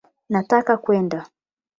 Nataka kwenda